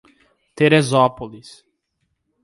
Teresópolis